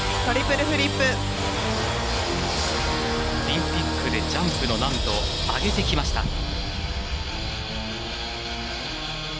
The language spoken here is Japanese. オリンピックでジャンプの難度を上げてきました。